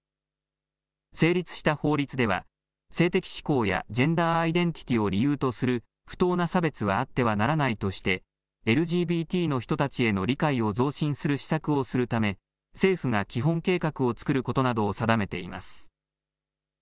成立した法律では性的指向やジェンダーアイデンティティを理由とする不当な差別はあってはならないとしてＬＧＢＴの人たちへの理解を増進する施策をするため政府が基本計画を作ることなどを定めています。